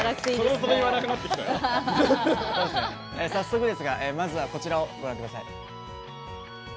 それでは早速ですがまずは、こちらをご覧ください。